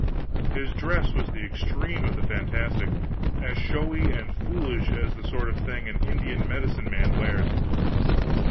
His dress was the extreme of the fantastic; as showy and foolish as the sort of thing an Indian medicine man wears.